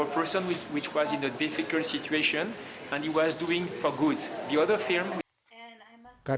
film pendek yang menceritakan jasa seorang pembulung sampah di susul dankarampig menjaga rayaissenschaft